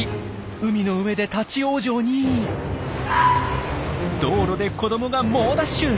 海の上で立ち往生に道路で子どもが猛ダッシュ！